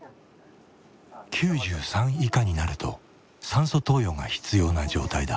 ９３以下になると酸素投与が必要な状態だ。